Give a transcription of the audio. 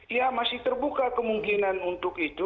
ya masih terbuka kemungkinan untuk itu